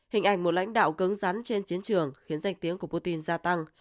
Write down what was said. hình ảnh một lãnh đạo cứng rắn trên chiến trường khiến danh tiếng của putin gia tăng